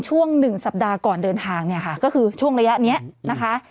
ช่วงหนึ่งสัปดาห์ก่อนเดินทางเนี่ยค่ะก็คือช่วงระยะนี้นะคะ